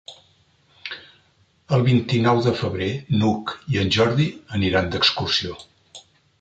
El vint-i-nou de febrer n'Hug i en Jordi aniran d'excursió.